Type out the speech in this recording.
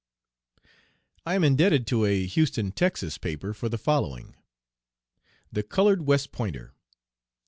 I am indebted to a Houston Texas, paper for the following: THE COLORED WEST POINTER.